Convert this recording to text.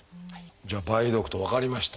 じゃあ梅毒と分かりました。